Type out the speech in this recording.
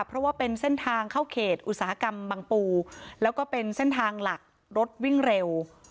เพราะว่าเป็นเส้นทางเข้าเขตอุตสาหกรรมบังปูแล้วก็เป็นเส้นทางหลักรถวิ่งเร็ว